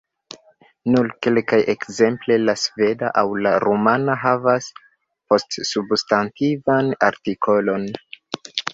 Nur kelkaj, ekzemple la sveda aŭ la rumana havas postsubstantivan artikolon.